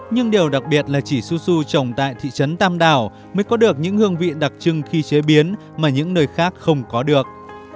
nhưng điều đặc biệt là chỉ susu trồng tại thị trấn tam đảo mới có được những hương vị đặc trưng khi chế biến mà những nơi khác không có được